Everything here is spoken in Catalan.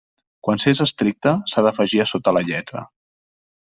Quan s'és estricte, s'ha d'afegir a sota la lletra.